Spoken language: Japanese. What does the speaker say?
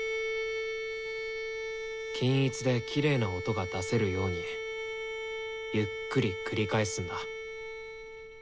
均一できれいな音が出せるようにゆっくり繰り返すんだ。